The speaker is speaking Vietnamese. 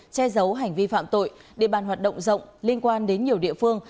che giấu hành vi phạm tội địa bàn hoạt động rộng liên quan đến nhiều địa phương